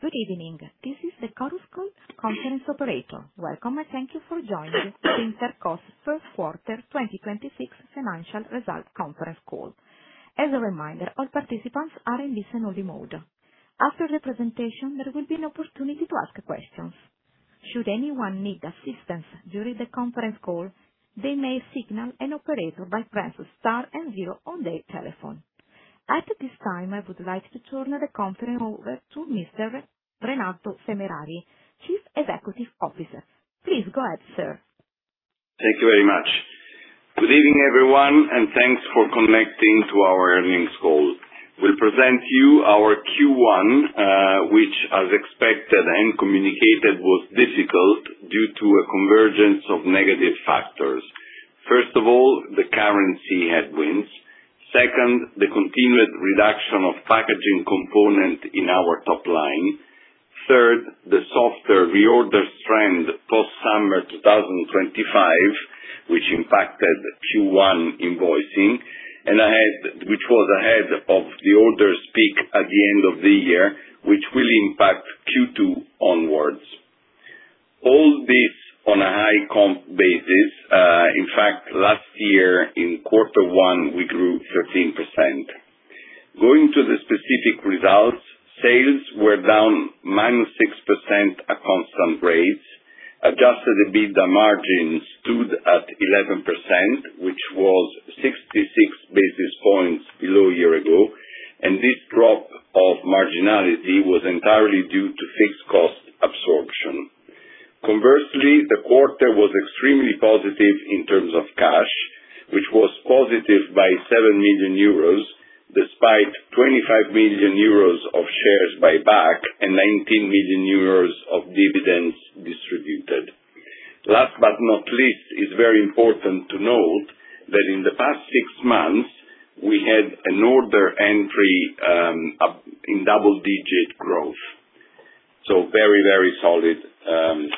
Good evening. This is the Chorus Call conference operator. Welcome, and thank you for joining Intercos first quarter 2026 financial results conference call. As a reminder, all participants are in listen-only mode. After the presentation, there will be an opportunity to ask questions. Should anyone need assistance during the conference call, they may signal an operator by pressing star and zero on their telephone. At this time, I would like to turn the conference over to Mr. Renato Semerari, Chief Executive Officer. Please go ahead, sir. Thank you very much. Good evening, everyone, and thanks for connecting to our earnings call. We'll present you our Q1, which as expected and communicated was difficult due to a convergence of negative factors. First of all, the currency headwinds. Second, the continued reduction of packaging component in our top line. Third, the softer reorder trend post summer 2025, which impacted Q1 invoicing and which was ahead of the order peak at the end of the year, which will impact Q2 onwards. All this on a high-comp basis. In fact, last year in Q1, we grew 13%. Going to the specific results, sales were down -6% at constant rates. Adjusted EBITDA margins stood at 11%, which was 66 basis points below a year ago. This drop of marginality was entirely due to fixed cost absorption. Conversely, the quarter was extremely positive in terms of cash, which was positive by 7 million euros, despite 25 million euros of shares buyback and 19 million euros of dividends distributed. Last but not least, it's very important to note that in the past six months we had an order entry up in double-digit growth. Very solid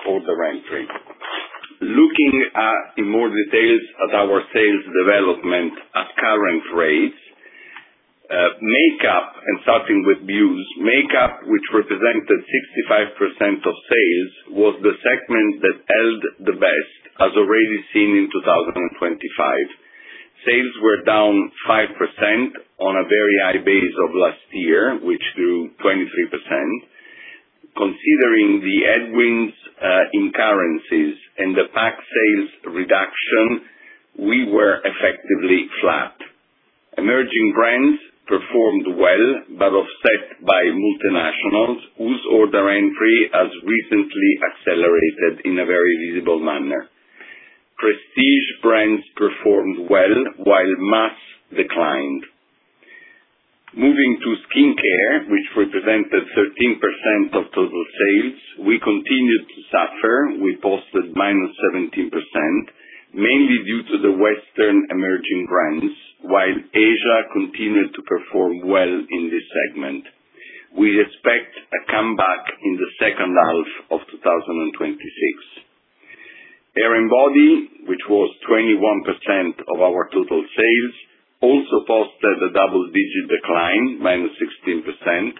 order entry. Looking at in more details at our sales development at current rates, Make-up and starting with BUs, Make-up, which represented 65% of sales, was the segment that held the best as already seen in 2025. Sales were down 5% on a very high base of last year, which grew 23%. Considering the headwinds in currencies and the PAC sales reduction, we were effectively flat. Emerging brands performed well, offset by multinationals whose order entry has recently accelerated in a very visible manner. Prestige brands performed well while mass declined. Moving to Skincare, which represented 13% of total sales, we continued to suffer. We posted -17%, mainly due to the Western emerging brands, while Asia continued to perform well in this segment. We expect a comeback in the second half of 2026. Hair & Body, which was 21% of our total sales, also posted a double-digit decline, -16%,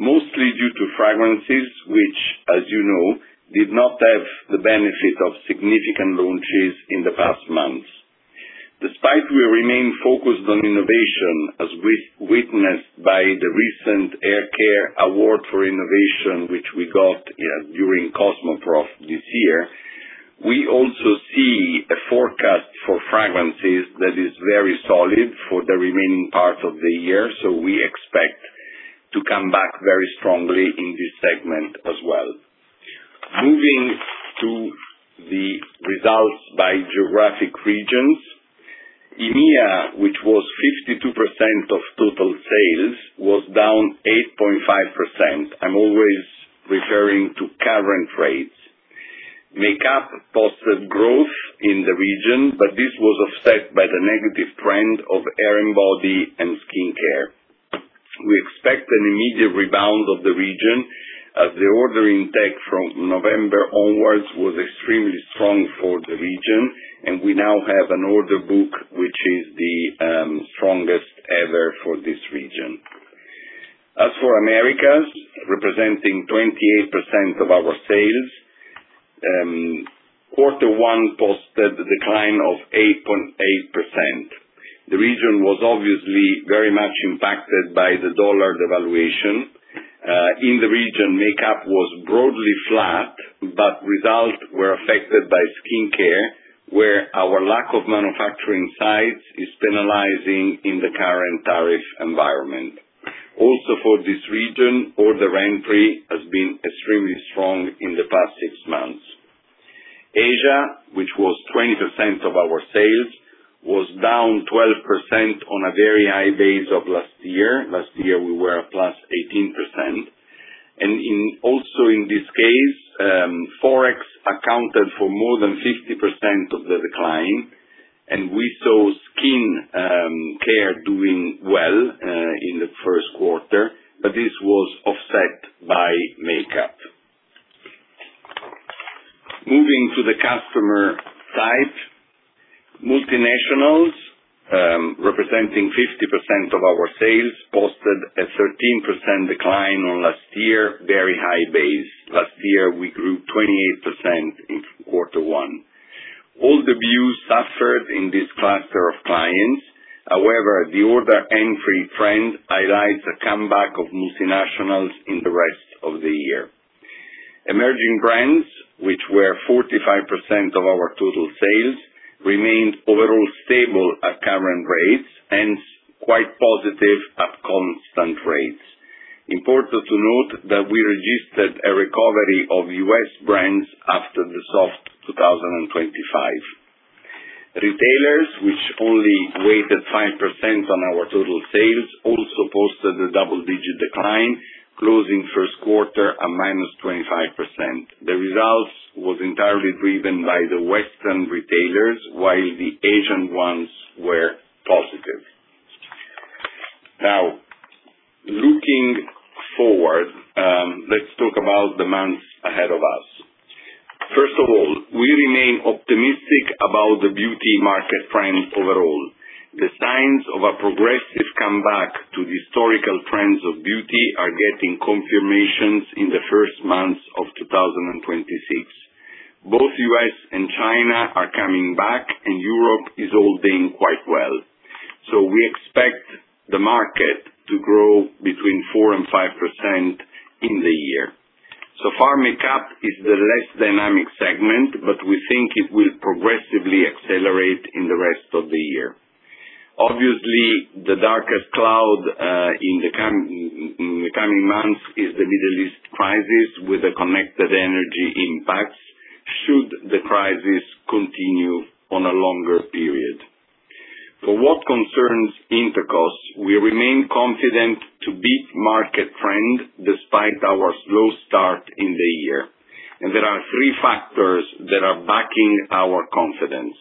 mostly due to fragrances, which, as you know, did not have the benefit of significant launches in the past months. Despite we remain focused on innovation, as witnessed by the recent Hair Care Award for Innovation, which we got during Cosmoprof this year. We also see a forecast for fragrances that is very solid for the remaining part of the year. We expect to come back very strongly in this segment as well. Moving to the results by geographic regions, EMEA, which was 52% of total sales, was down 8.5%. I'm always referring to current rates. Make-up posted growth in the region. This was offset by the negative trend of Hair & Body and Skincare. We expect an immediate rebound of the region as the order intake from November onwards was extremely strong for the region. We now have an order book which is the strongest ever for this region. As for Americas, representing 28% of our sales, Q1 posted a decline of 8.8%. The region was obviously very much impacted by the dollar devaluation. In the region, Make-up was broadly flat, but results were affected by Skincare, where our lack of manufacturing sites is penalizing in the current tariff environment. Also for this region, order entry has been extremely strong in the past six months. Asia, which was 20% of our sales, was down 12% on a very high base of last year. Last year we were up +18%. Also in this case, Forex accounted for more than 50% of the decline. We saw Skincare doing well in Q1, but this was offset by Make-up. Moving to the customer side, multinationals, representing 50% of our sales, posted a 13% decline on last year, very high base. Last year, we grew 28% in Q1. All the BUs suffered in this cluster of clients. However, the order entry trend highlights a comeback of multinationals in the rest of the year. Emerging brands, which were 45% of our total sales, remained overall stable at current rates and quite positive at constant rates. Important to note that we registered a recovery of U.S. brands after the soft 2025. Retailers, which only weighted 5% on our total sales, also posted a double-digit decline, closing first quarter at -25%. The results was entirely driven by the Western retailers, while the Asian ones were positive. Now, looking forward, let's talk about the months ahead of us. First of all, we remain optimistic about the beauty market trend overall. The signs of a progressive comeback to the historical trends of beauty are getting confirmations in the first months of 2026. Both U.S. and China are coming back, and Europe is holding quite well. We expect the market to grow between 4% and 5% in the year. So far, Make-up is the less dynamic segment, but we think it will progressively accelerate in the rest of the year. Obviously, the darkest cloud in the coming months is the Middle East crisis with the connected energy impacts should the crisis continue on a longer period. For what concerns Intercos, we remain confident to beat market trend despite our slow start in the year. There are three factors that are backing our confidence.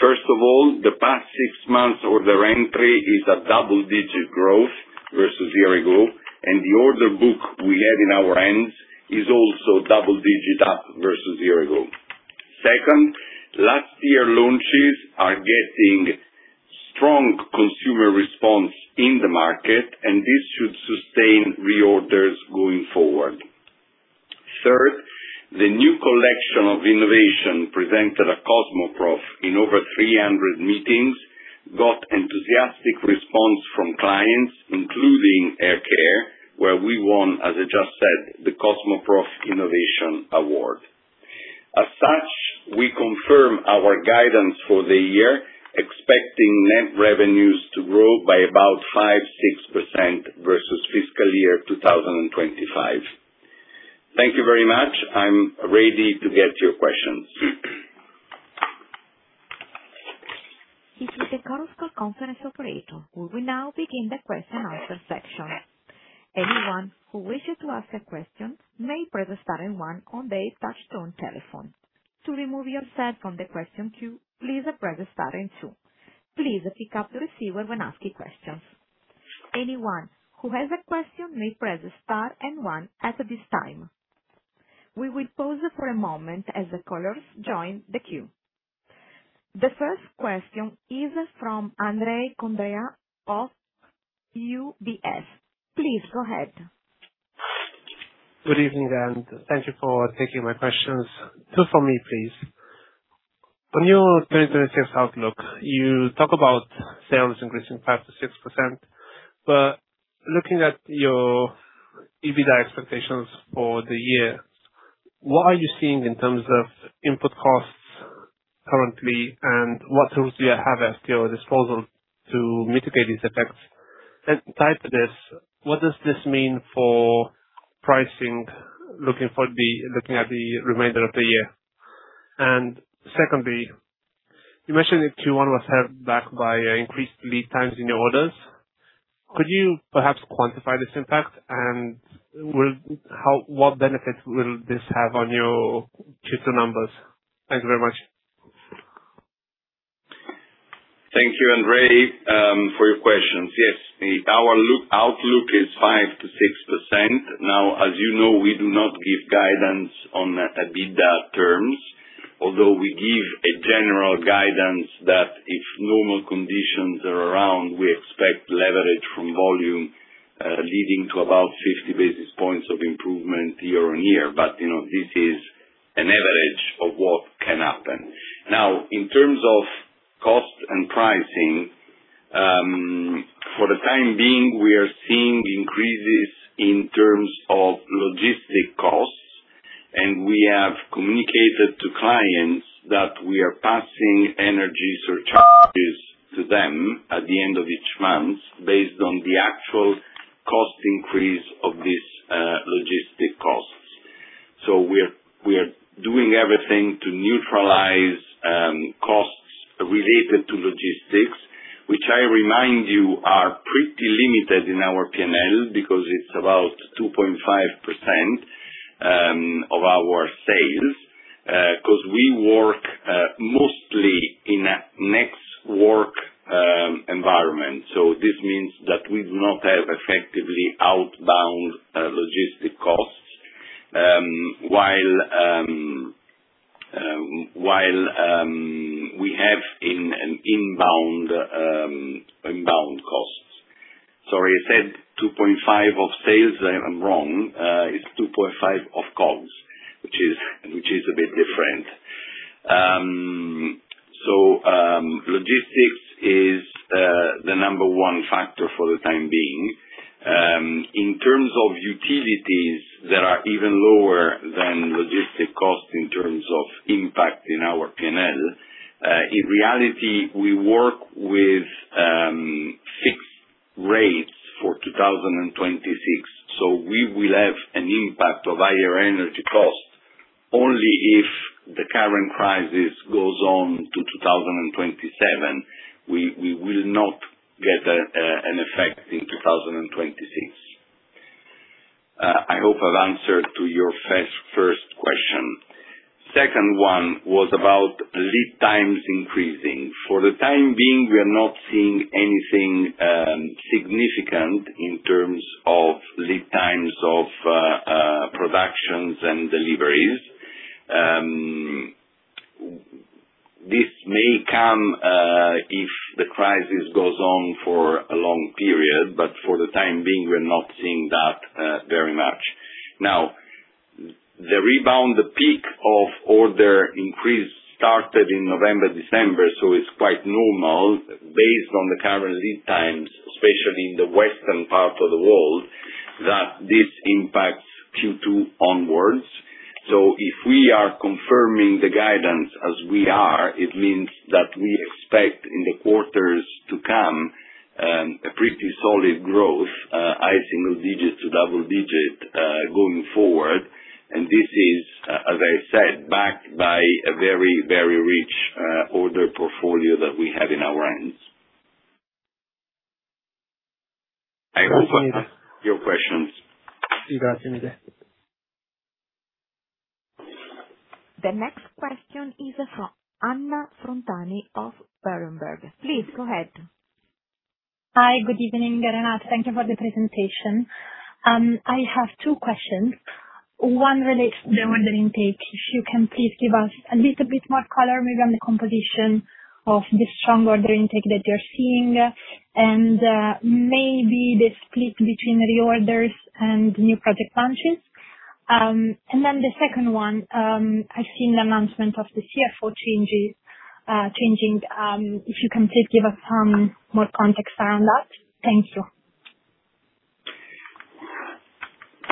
First of all, the past six months, order entry is a double-digit growth versus a year ago, and the order book we have in our hands is also double digit up versus a year ago. Second, last year launches are getting strong consumer response in the market, and this should sustain reorders going forward. Third, the new collection of innovation presented at Cosmoprof in over 300 meetings, got enthusiastic response from clients, including hair care, where we won, as I just said, the Cosmoprof Innovation Award. As such, we confirm our guidance for the year, expecting net revenues to grow by about 5%-6% versus fiscal year 2025. Thank you very much. I'm ready to get your questions. This is the Chorus Call conference operator. We will now begin the question-and-answer session. Anyone who wishes to ask a question may press star and one on their touch-tone telephone. To remove yourself from the question queue please press star and two. Please pick up the receiver when asking a question. Anyone who has a question may press star and one at this time. We will pause for a moment as the callers join the queue. The first question is from Andrei Condrea of UBS. Please go ahead. Good evening, and thank you for taking my questions. Two for me, please. On your 2026 outlook, you talk about sales increasing 5%-6%. Looking at your EBITDA expectations for the year, what are you seeing in terms of input costs currently, and what tools do you have at your disposal to mitigate these effects? Tied to this, what does this mean for pricing, looking at the remainder of the year? Secondly, you mentioned that Q1 was held back by increased lead times in your orders. Could you perhaps quantify this impact? What benefit will this have on your Q2 numbers? Thank you very much. Thank you, Andrei, for your questions. Yes, our outlook is 5%-6%. As you know, we do not give guidance on EBITDA terms, although we give a general guidance that if normal conditions are around, we expect leverage from volume leading to about 50 basis points of improvement year-on-year. You know, this is an average of what can happen. In terms of cost and pricing, for the time being, we are seeing increases in terms of logistic costs, and we have communicated to clients that we are passing energy surcharges to them at the end of each month based on the actual cost increase of these logistic costs. We're doing everything to neutralize costs related to logistics, which I remind you are pretty limited in our P&L because it's about 2.5% of our sales, 'cause we work mostly in an Ex Works environment. This means that we do not have effectively outbound logistic costs, while we have inbound costs. Sorry, I said 2.5% of sales, I'm wrong. It's 2.5% of COGS, which is a bit different. Logistics is the number one factor for the time being. In terms of utilities that are even lower than logistic costs in terms of impact in our P&L, in reality, we work with fixed rates for 2026. We will have an impact of higher energy costs only if the current crisis goes on to 2027. We will not get an effect in 2026. I hope I've answered to your first question. Second one was about lead times increasing. For the time being, we are not seeing anything significant in terms of lead times of productions and deliveries. This may come if the crisis goes on for a long period, but for the time being, we're not seeing that very much. The rebound, the peak of order increase started in November, December, so it's quite normal based on the current lead times, especially in the western part of the world, that this impacts Q2 onwards. If we are confirming the guidance as we are, it means that we expect in the quarters to come, a pretty solid growth, high single digits to double digit going forward. This is, as I said, backed by a very, very rich order portfolio that we have in our hands. I hope I've answered your questions. The next question is from Anna Frontani of Berenberg. Please go ahead. Hi. Good evening, Renato. Thank you for the presentation. I have two questions. One relates to the order intake. If you can please give us a little bit more color maybe on the composition of the strong order intake that you're seeing and maybe the split between reorders and new project launches. Then the second one, I've seen the announcement of the CFO changes changing. If you can please give us some more context around that. Thank you.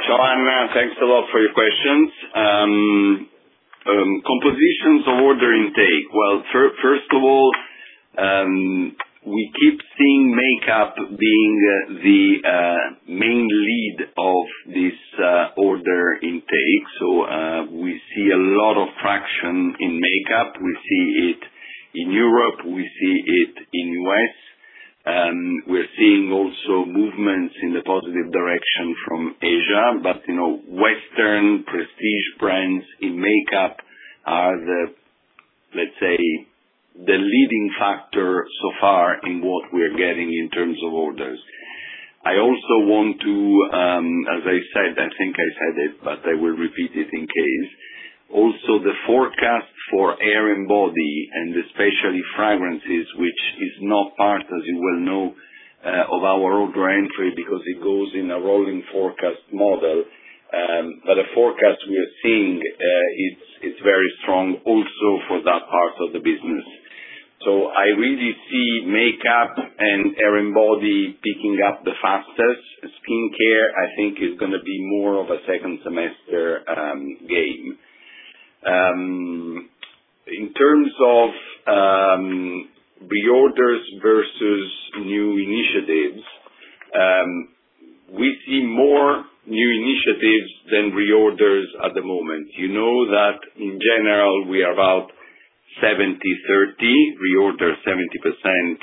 Sure, Anna. Thanks a lot for your questions. Compositions of order intake. First of all, we keep seeing Make-up being the main lead of this order intake. We see a lot of traction in Make-up. We see it in Europe. We see it in U.S. We're seeing also movements in the positive direction from Asia. You know, Western prestige brands in Make-up are the, let's say, the leading factor so far in what we're getting in terms of orders. I want to, as I said, I think I said it, but I will repeat it in case. The forecast for Hair & Body, and especially fragrances, which is not part, as you well know, of our own brand trade because it goes in a rolling forecast model. The forecast we are seeing, it's very strong also for that part of the business. I really see Make-up and Hair & Body picking up the fastest. Skincare, I think is gonna be more of a second semester game. In terms of reorders versus new initiatives, we see more new initiatives than reorders at the moment. You know that in general we are about 70/30 reorder 70%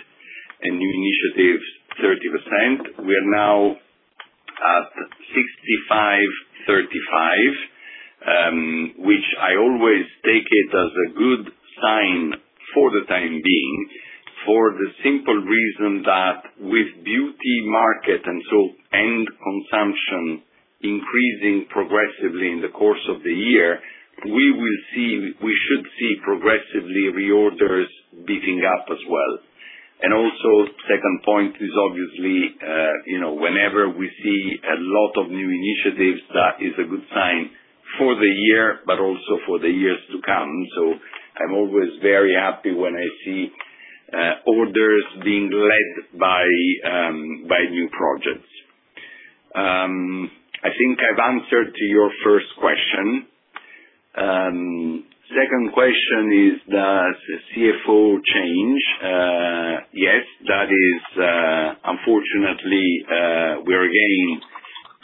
and new initiatives 30%. We are now at 65/35, which I always take it as a good sign for the time being, for the simple reason that with beauty market and so end consumption increasing progressively in the course of the year, we should see progressively reorders beating up as well. Second point is obviously, you know, whenever we see a lot of new initiatives, that is a good sign for the year, but also for the years to come. I'm always very happy when I see orders being led by new projects. I think I've answered to your first question. Second question is the CFO change. Yes, that is unfortunately, we are getting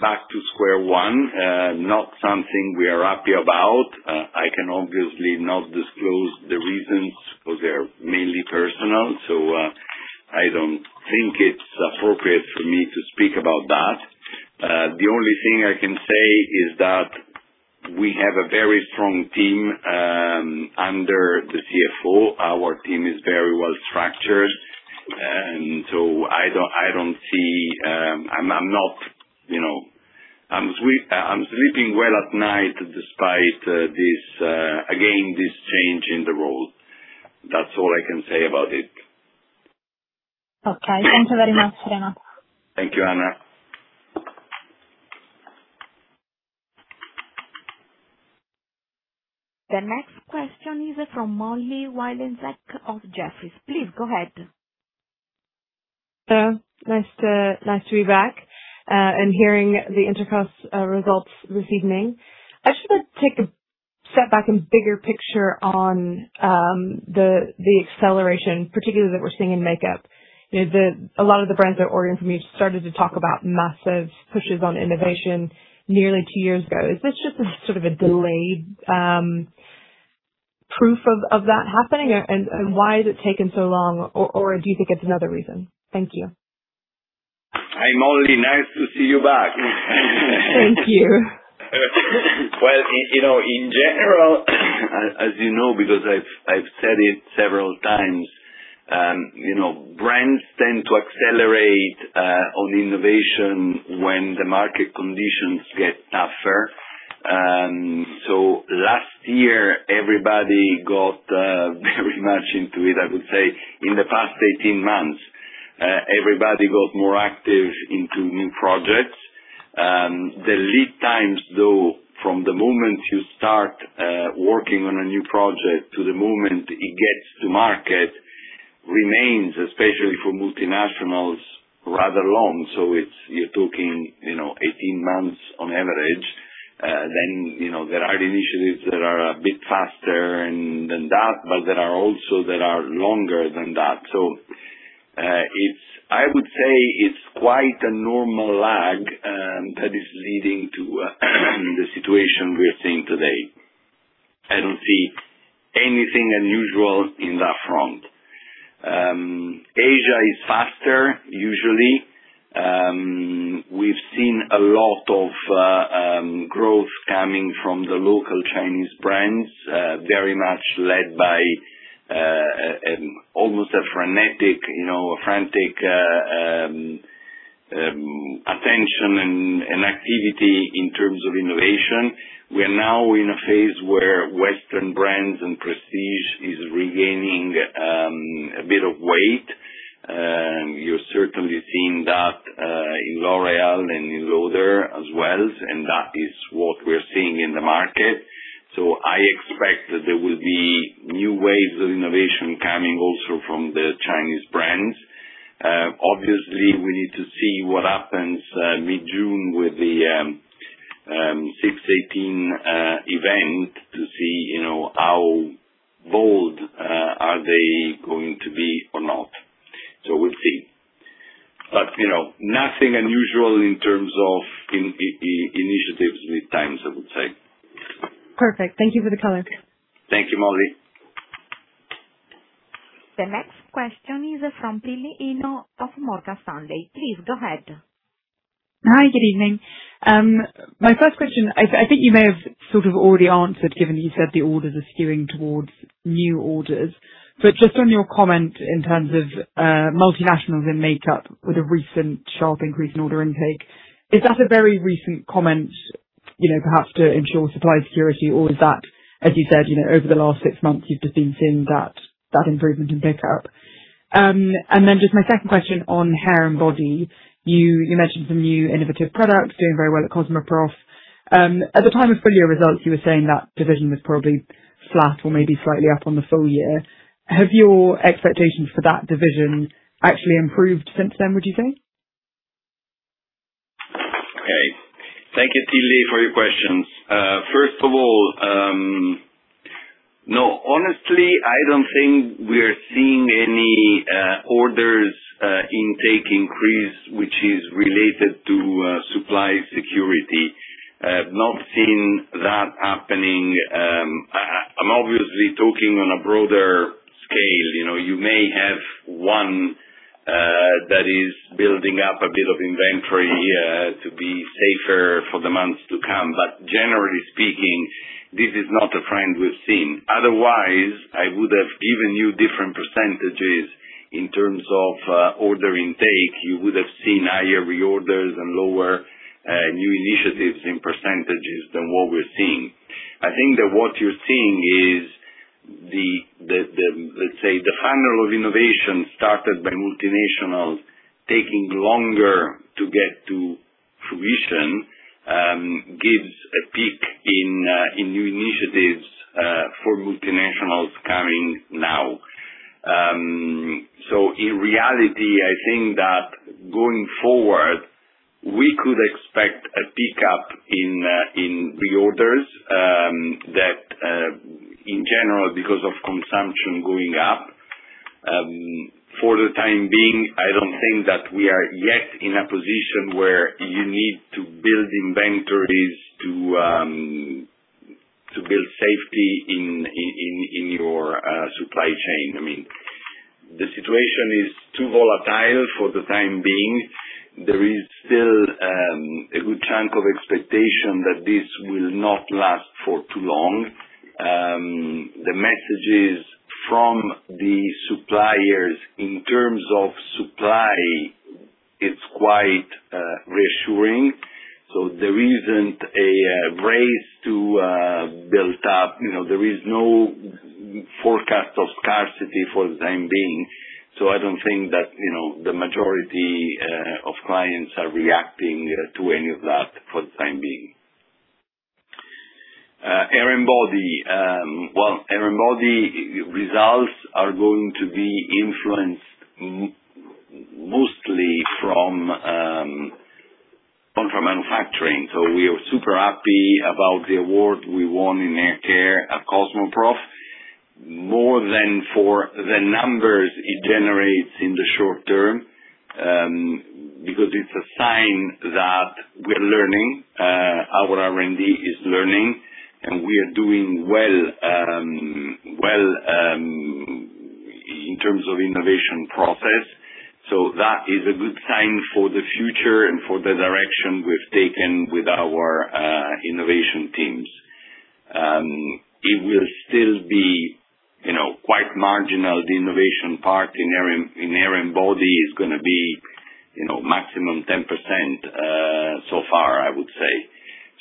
back to square one. Not something we are happy about. I can obviously not disclose the reasons, because they're mainly personal. I don't think it's appropriate for me to speak about that. The only thing I can say is that we have a very strong team under the CFO. Our team is very well structured, and so I don't see, I'm not, you know I'm sleeping well at night despite, this, again, this change in the role. That's all I can say about it. Okay. Thank you very much, Renato. Thank you, Anna. The next question is from Molly Wylenzek of Jefferies. Please go ahead. Nice to, nice to be back and hearing the Intercos results this evening. I just want to take a step back and bigger picture on the acceleration particularly that we're seeing in Make-up. You know, a lot of the brands that order from you started to talk about massive pushes on innovation nearly two years ago. Is this just a, sort of, a delayed proof of that happening? And why has it taken so long? Or do you think it's another reason? Thank you. Hi, Molly. Nice to see you back. Thank you. You know, in general, as you know, because I've said it several times, you know, brands tend to accelerate on innovation when the market conditions get tougher. Last year, everybody got very much into it, I would say. In the past 18 months, everybody got more active into new projects. The lead times, though, from the moment you start working on a new project to the moment it gets to market remains, especially for multinationals, rather long. It's, you're talking, you know, 18 months on average. You know, there are initiatives that are a bit faster and than that, but there are also that are longer than that. It's, I would say it's quite a normal lag that is leading to the situation we're seeing today. I don't see anything unusual in that front. Asia is faster usually. We've seen a lot of growth coming from the local Chinese brands, very much led by almost a frenetic, you know, a frantic attention and activity in terms of innovation. We are now in a phase where Western brands and prestige is regaining a bit of weight. You're certainly seeing that in L'Oréal and in Lauder as well. That is what we're seeing in the market. I expect that there will be new waves of innovation coming also from the Chinese brands. Obviously, we need to see what happens mid-June with the 618 event, to see, you know, how bold are they going to be or not. We'll see. You know, nothing unusual in terms of initiatives with times, I would say. Perfect. Thank you for the color. Thank you, Molly. The next question is from Tilly Eno of Morgan Stanley. Please go ahead. Hi, good evening. My first question, I think you may have sort of already answered, given that you said the orders are skewing towards new orders. Just on your comment in terms of multinationals in Make-up with a recent sharp increase in order intake, is that a very recent comment, you know, perhaps to ensure supply security? Or is that, as you said, you know, over the last six months, you've just been seeing that improvement in pickup? Then just my second question on Hair & Body. You, you mentioned some new innovative products doing very well at Cosmoprof. At the time of full-year results, you were saying that division was probably flat or maybe slightly up on the full year. Have your expectations for that division actually improved since then, would you say? Okay. Thank you, Tilly, for your questions. First of all, no. Honestly, I don't think we are seeing any orders intake increase, which is related to supply security. Not seen that happening. I'm obviously talking on a broader scale. You know, you may have one that is building up a bit of inventory to be safer for the months to come, but generally speaking, this is not a trend we've seen. Otherwise, I would have given you different percentages in terms of order intake. You would have seen higher reorders and lower new initiatives in percentages than what we're seeing. I think that what you're seeing is the funnel of innovation started by multinationals taking longer to get to fruition, gives a peak in new initiatives for multinationals coming now. In reality, I think that going forward, we could expect a pickup in reorders, that in general because of consumption going up. For the time being, I don't think that we are yet in a position where you need to build inventories to build safety in your supply chain. I mean, the situation is too volatile for the time being. There is still a good chunk of expectation that this will not last for too long. The messages from the suppliers in terms of supply, it's quite reassuring. There isn't a race to build up, you know, there is no forecast of scarcity for the time being. I don't think that, you know, the majority of clients are reacting to any of that for the time being. Hair & Body. Well, Hair & Body results are going to be influenced mostly from contract manufacturing. We are super happy about the award we won in hair care at Cosmoprof, more than for the numbers it generates in the short term, because it's a sign that we're learning, our R&D is learning, and we are doing well in terms of innovation process. That is a good sign for the future and for the direction we've taken with our innovation teams. It will still be, you know, quite marginal. The innovation part in Hair & Body is gonna be, you know, maximum 10%, so far, I would say.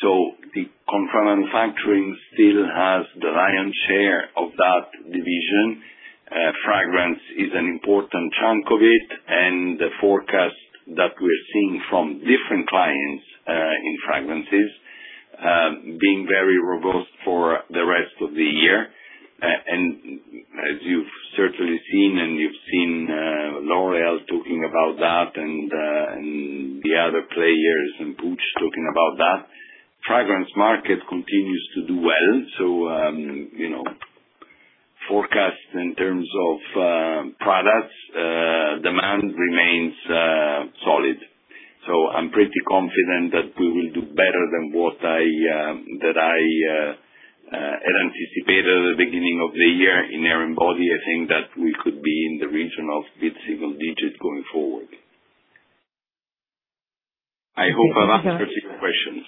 The contract manufacturing still has the lion's share of that division. Fragrance is an important chunk of it, and the forecast that we're seeing from different clients in fragrances being very robust for the rest of the year. And as you've certainly seen and you've seen L'Oréal talking about that and the other players and Puig talking about that. Fragrance market continues to do well. You know, forecast in terms of products demand remains solid. I'm pretty confident that we will do better than that I had anticipated at the beginning of the year in Hair & Body. I think that we could be in the region of mid-single digits going forward. I hope I've answered your questions.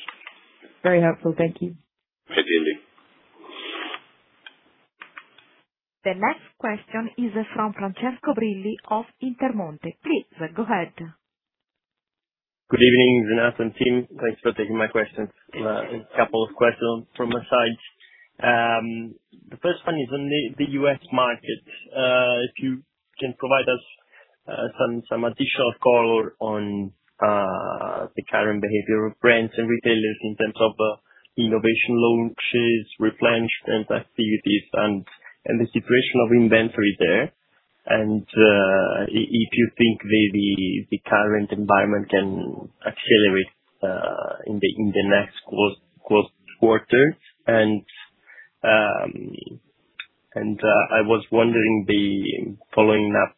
Very helpful. Thank you. [inaudible] Tilly. The next question is from Francesco Brilli of Intermonte. Please go ahead. Good evening, Renato and team. Thanks for taking my questions. A couple of questions from my side. The first one is on the U.S. market. If you can provide us some additional color on the current behavior of brands and retailers in terms of innovation launches, replenishment activities and the situation of inventory there. If you think the current environment can accelerate in the next quarter. Following up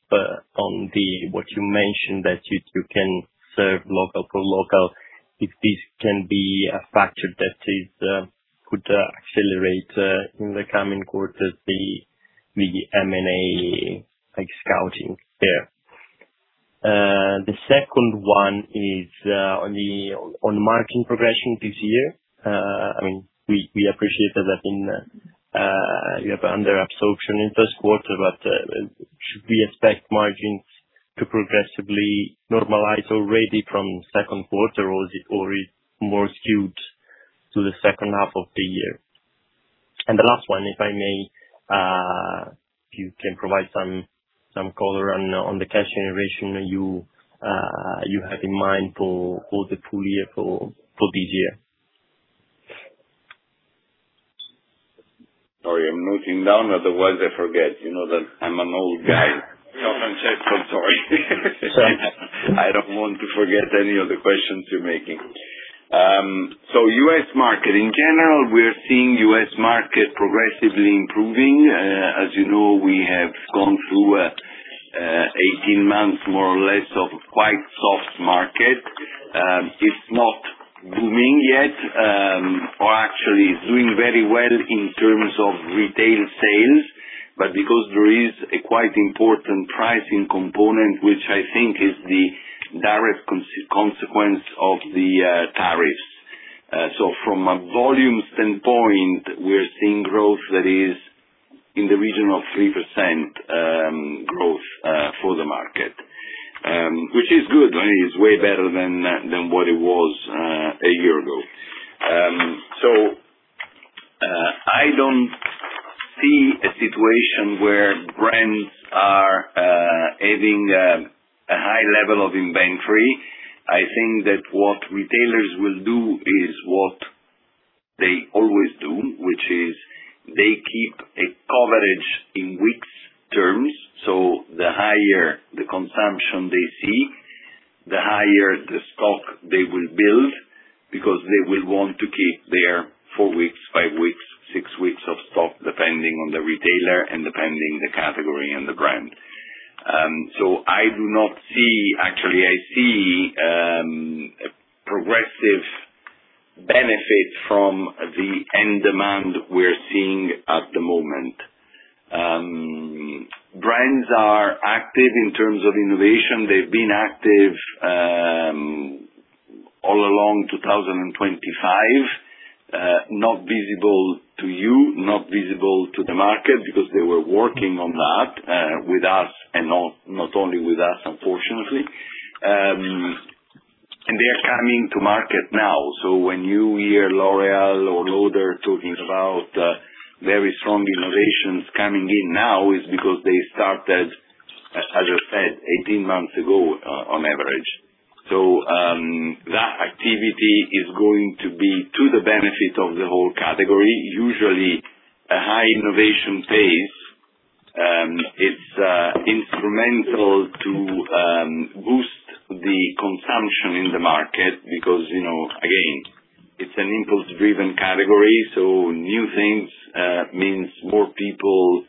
on what you mentioned that you can serve local for local, if this can be a factor that could accelerate in the coming quarters, the M&A, like scouting there. The second one is on margin progression this year. I mean, we appreciate that I think, you have under absorption in first quarter. Should we expect margins to progressively normalize already from second quarter, or is it more skewed to the second half of the year? The last one, if I may, if you can provide some color on the cash generation that you have in mind for the full year for this year. Sorry, I'm noting down, otherwise I forget. You know that I'm an old guy. Francesco, sorry. It's all right. I don't want to forget any of the questions you're making. U.S. market. In general, we're seeing U.S. market progressively improving. As you know, we have gone through 18 months, more or less, of quite soft market. It's not booming yet, or actually is doing very well in terms of retail sales, but because there is a quite important pricing component, which I think is the direct consequence of the tariffs. From a volume standpoint, we're seeing growth that is in the region of 3% growth for the market. Which is good. I mean, it's way better than what it was a year ago. I don't see a situation where brands are adding a high level of inventory. I think that what retailers will do is what they always do, which is they keep a coverage in weeks terms. The higher the consumption they see, the higher the stock they will build, because they will want to keep their four weeks, five weeks, six weeks of stock. Depending on the retailer and depending the category and the brand. Actually, I see a progressive benefit from the end demand we're seeing at the moment. Brands are active in terms of innovation. They've been active all along 2025. Not visible to you, not visible to the market because they were working on that with us and not only with us, unfortunately. They are coming to market now. When you hear L'Oréal or Lauder talking about very strong innovations coming in now is because they started, as I said, 18 months ago, on average. That activity is going to be to the benefit of the whole category. Usually, a high innovation pace is instrumental to boost the consumption in the market because, you know, again, it's an impulse driven category, so new things means more people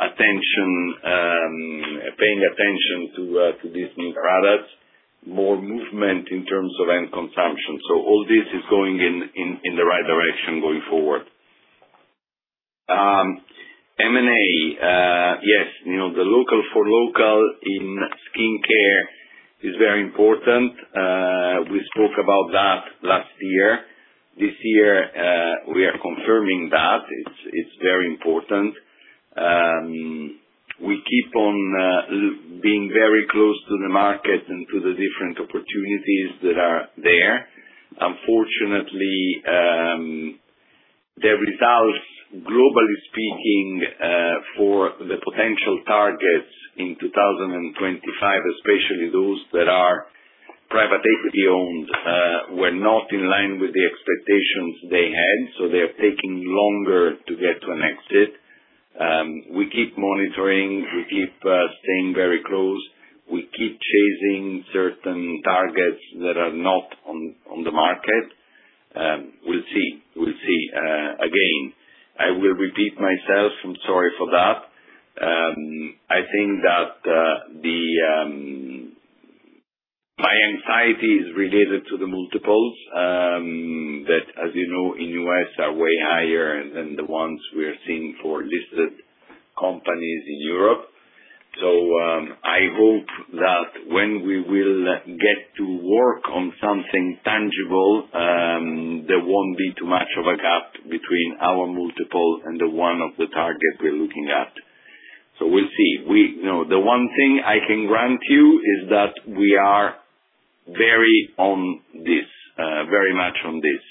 attention, paying attention to these new products, more movement in terms of end consumption. All this is going in the right direction going forward. M&A, yes, you know, the local for local in Skincare is very important. We spoke about that last year. This year, we are confirming that. It's very important. We keep on being very close to the market and to the different opportunities that are there. Unfortunately, the results, globally speaking, for the potential targets in 2025, especially those that are private equity owned, were not in line with the expectations they had, so they're taking longer to get to an exit. We keep monitoring, we keep staying very close. We keep chasing certain targets that are not on the market. We'll see, we'll see. Again, I will repeat myself, I'm sorry for that. I think that the—my anxiety is related to the multiples that, as you know, in U.S. are way higher than the ones we are seeing for listed companies in Europe. I hope that when we will get to work on something tangible, there won't be too much of a gap between our multiple and the one of the target we're looking at. We'll see. You know, the one thing I can grant you is that we are very on this, very much on this.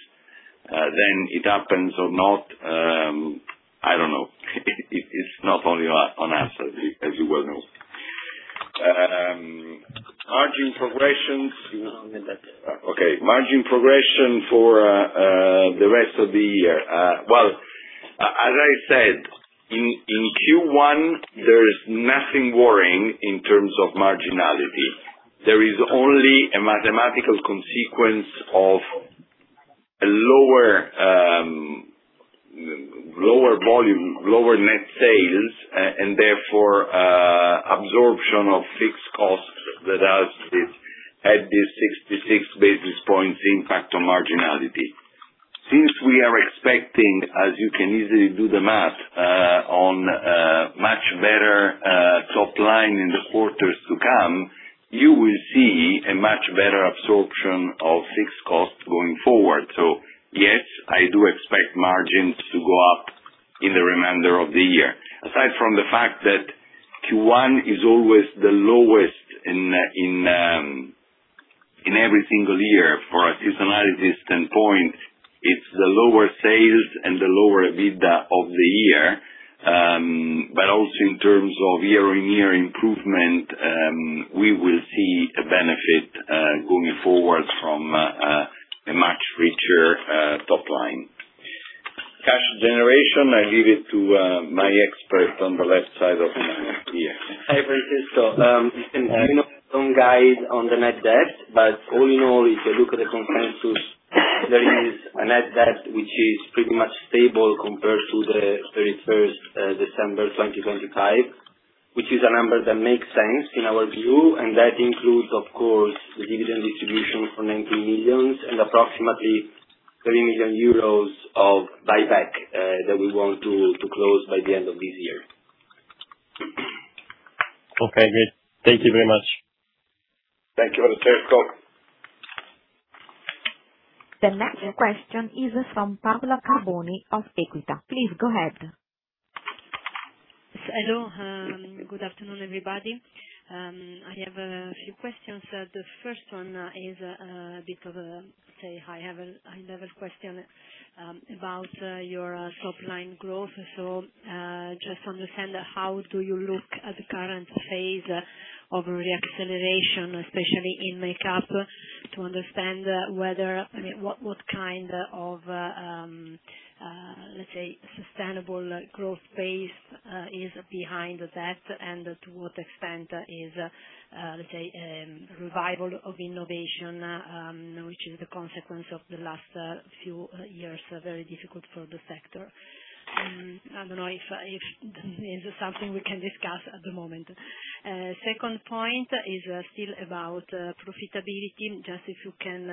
Then it happens or not, I don't know. It's not only on us as you, as you well know. Margin progression for the rest of the year. Well, as I said, in Q1, there is nothing worrying in terms of marginality. There is only a mathematical consequence of a lower volume, lower net sales and therefore, absorption of fixed costs that adds this 66 basis points impact on marginality. Since we are expecting, as you can easily do the math, on much better top line in the quarters to come, you will see a much better absorption of fixed costs going forward. Yes, I do expect margins to go up in the remainder of the year. Aside from the fact that Q1 is always the lowest in every single year for a seasonality standpoint, it's the lower sales and the lower EBITDA of the year. Also in terms of year-on-year improvement, we will see a benefit going forward from a much richer top line. Cash generation, I give it to my expert on the left side of me here. Hi, Francesco. We don't guide on the net debt, all in all, if you look at the consensus, there is a net debt which is pretty much stable compared to the 31st December 2025, which is a number that makes sense in our view, and that includes, of course, the dividend distribution for 19 million and approximately 30 million euros of buyback that we want to close by the end of this year. Okay, great. Thank you very much. Thank you for the clear call. The next question is from Paola Carboni of EQUITA. Please go ahead. Hello. Good afternoon, everybody. I have a few questions. The first one is a bit of a high-level question about your top-line growth. Just understand how do you look at the current phase of re-acceleration, especially in Make-up, to understand whether I mean, what kind of, let's say, sustainable growth base is behind that and to what extent is, let's say, revival of innovation, which is the consequence of the last few years, very difficult for the sector. I don't know if this is something we can discuss at the moment. Second point is still about profitability. Just if you can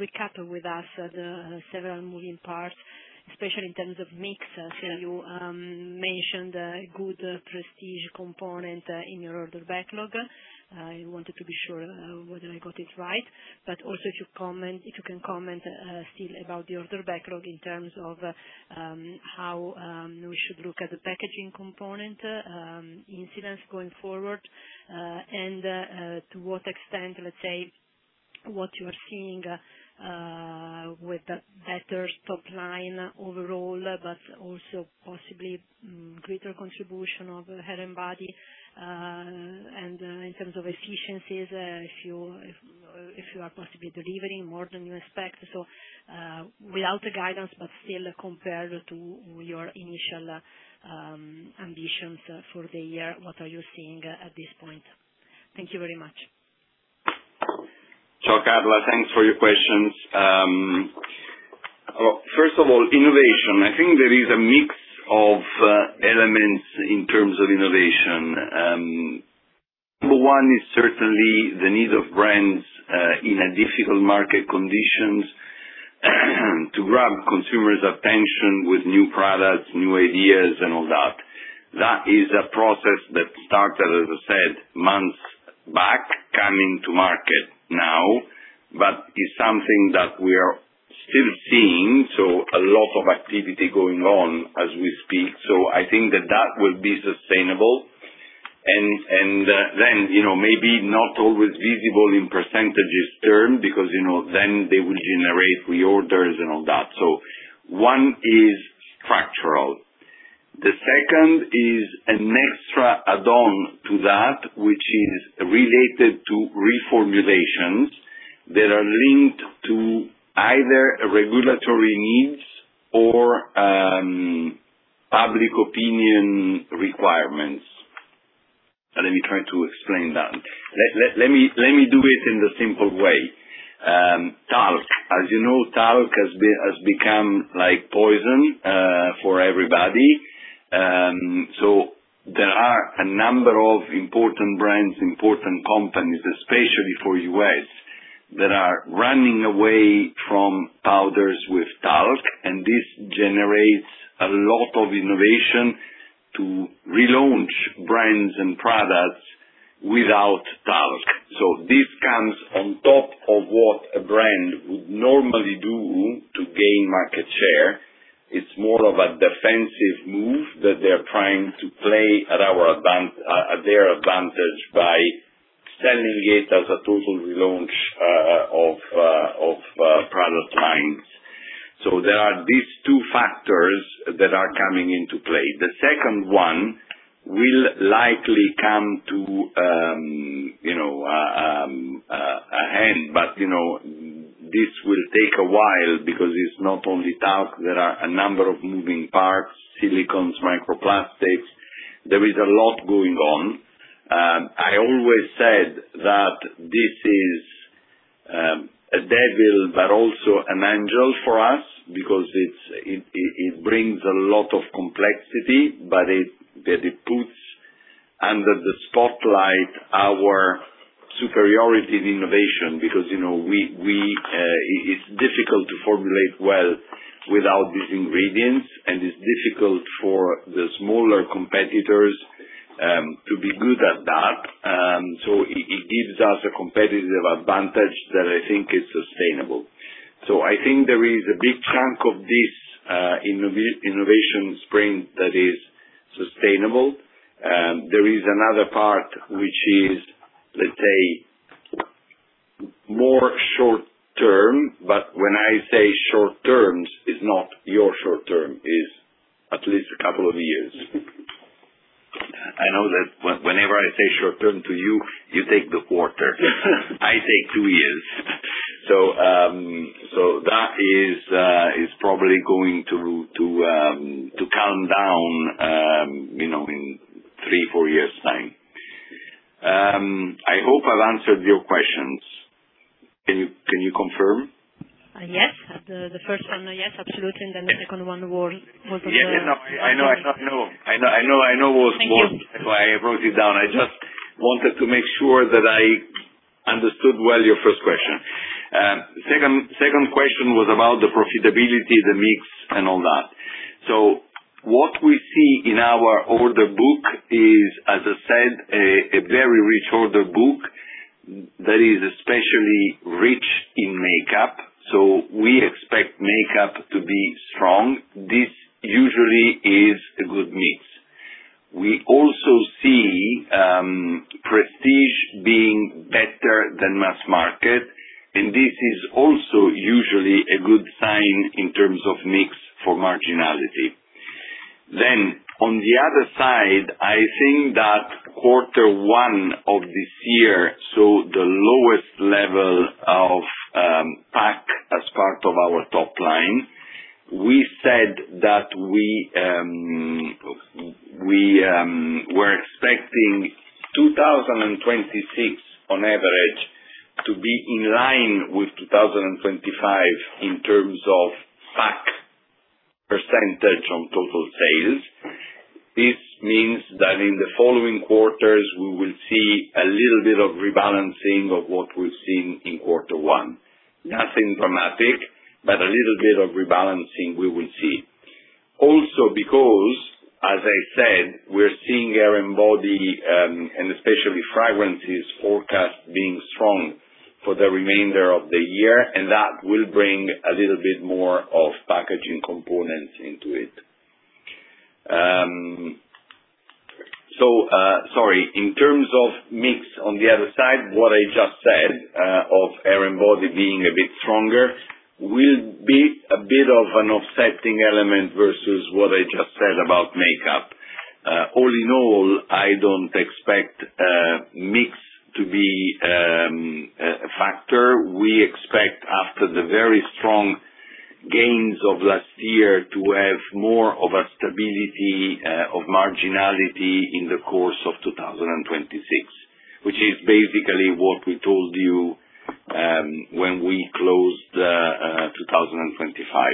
recap with us the several moving parts, especially in terms of mix. You mentioned a good prestige component in your order backlog. I wanted to be sure whether I got it right. Also if you can comment still about the order backlog in terms of how we should look at the packaging component incidents going forward. And to what extent, let's say, what you're seeing with the better top line overall, but also possibly greater contribution of Hair & Body. And in terms of efficiencies, if you are possibly delivering more than you expect. Without the guidance, but still compared to your initial ambitions for the year, what are you seeing at this point? Thank you very much. Sure, Paola. Thanks for your questions. First of all, innovation. I think there is a mix of elements in terms of innovation. Number one is certainly the need of brands in a difficult market conditions, to grab consumers' attention with new products, new ideas, and all that. That is a process that started, as I said, months back, coming to market now, but is something that we are still seeing. A lot of activity going on as we speak. I think that that will be sustainable. And then, you know, maybe not always visible in percentages term because, you know, then they will generate reorders and all that. One is structural. The second is an extra add-on to that, which is related to reformulations that are linked to either regulatory needs or public opinion requirements. Let me try to explain that. Let me do it in the simple way. Talc. As you know, talc has become like poison for everybody. There are a number of important brands, important companies, especially for U.S., that are running away from powders with talc, and this generates a lot of innovation to relaunch brands and products without talc. This comes on top of what a brand would normally do to gain market share. It's more of a defensive move that they're trying to play at their advantage by selling it as a total relaunch of product lines. There are these two factors that are coming into play. The second one will likely come to, you know, an end, but, you know, this will take a while because it's not only talc, there are a number of moving parts, silicones, microplastics. There is a lot going on. I always said that this is a devil, but also an angel for us because it brings a lot of complexity, but it puts under the spotlight our superiority in innovation. You know, we, it's difficult to formulate well without these ingredients, and it's difficult for the smaller competitors to be good at that. It gives us a competitive advantage that I think is sustainable. I think there is a big chunk of this innovation sprint that is sustainable. There is another part which is, let's say, more short-term, but when I say short-term, it's not your short-term, it's at least a couple of years. I know that whenever I say short-term to you take the quarter. I take two years. That is probably going to calm down, you know, in three, four years' time. I hope I've answered your questions. Can you, can you confirm? Yes. The first one, yes, absolutely. The second one. Yeah. No, I know. I know. No. I know it was. Thank you. That's why I wrote it down. I just wanted to make sure that I understood well your first question. Second question was about the profitability, the mix, and all that. What we see in our order book is, as I said, a very rich order book that is especially rich in Make-up. We expect Make-up to be strong. This usually is a good mix. We also see prestige being better than mass market, and this is also usually a good sign in terms of mix for marginality. On the other side, I think that Q1 of this year, so the lowest level of PAC as part of our top line, we said that we were expecting 2026 on average to be in line with 2025 in terms of PAC percentage on total sales. This means that in the following quarters, we will see a little bit of rebalancing of what we're seeing in quarter one. Nothing dramatic, but a little bit of rebalancing we will see. Also, because, as I said, we're seeing Hair & Body and especially fragrances forecast being strong for the remainder of the year, and that will bring a little bit more of packaging components into it. Sorry. In terms of mix on the other side, what I just said of Hair & Body being a bit stronger, will be a bit of an offsetting element versus what I just said about Make-up. All in all, I don't expect mix to be a factor. We expect after the very strong gains of last year to have more of a stability of marginality in the course of 2026, which is basically what we told you when we closed 2025.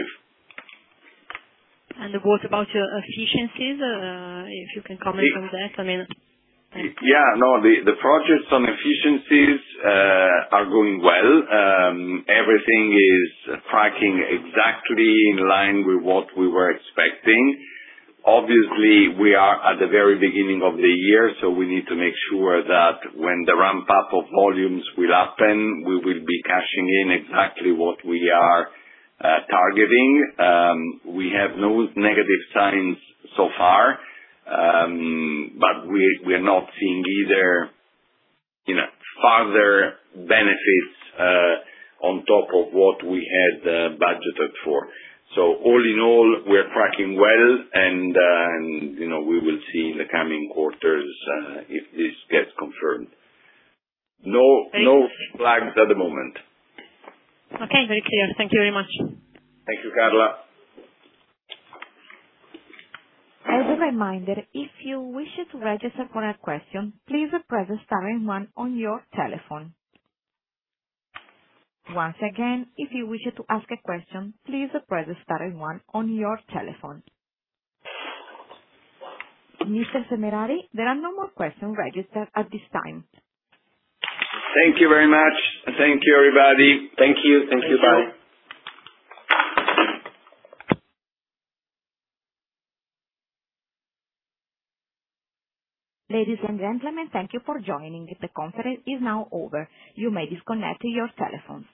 What about your efficiencies? If you can comment on that? Yeah. No. The projects on efficiencies are going well. Everything is tracking exactly in line with what we were expecting. Obviously, we are at the very beginning of the year, so we need to make sure that when the ramp-up of volumes will happen, we will be cashing in exactly what we are targeting. We have no negative signs so far, but we are not seeing either, you know, further benefits on top of what we had budgeted for. All in all, we're tracking well and, you know, we will see in the coming quarters if this gets confirmed. No flags at the moment. Okay. Very clear. Thank you very much. Thank you, Paola. Mr. Semerari, there are no more questions registered at this time. Thank you very much. Thank you, everybody. Thank you. Thank you. Bye. Ladies and gentlemen, thank you for joining. The conference is now over. You may disconnect your telephones.